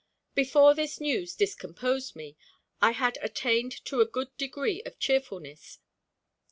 Before this news discomposed me, I had attained to a good degree of cheerfulness.